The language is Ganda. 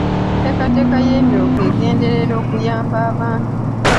Enteekateeka y'Emyooga egenderera okuyamba abantu .